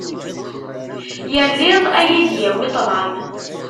Yal iḍ ad yi-d-yawi ṭṭlam.